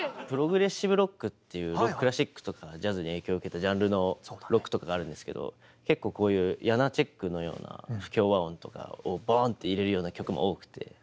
「プログレッシブロック」っていうクラシックとかジャズに影響を受けたジャンルのロックとかがあるんですけど結構こういうヤナーチェクのような不協和音とかをボンって入れるような曲も多くて。